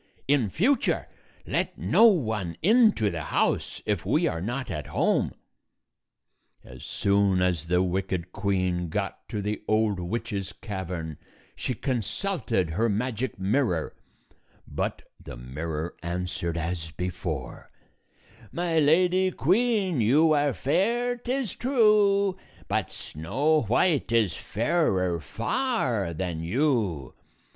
In future let no one into the house, if we are not at home." As soon as the wicked queen got to the old 238 witch's cavern, she consulted her magic mirror, but the mirror answered as before, "My Lady Queen, you are fair, 't is true; But Snow White is fairer far than you.